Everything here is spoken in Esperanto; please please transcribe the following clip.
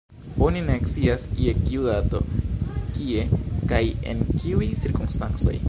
Oni ne scias je kiu dato, kie kaj en kiuj cirkonstancoj.